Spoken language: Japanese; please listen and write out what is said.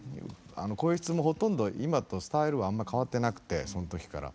声質もほとんど今とスタイルはあんまり変わってなくてその時から。